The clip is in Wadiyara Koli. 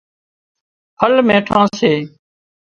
ڦل ميٺان سي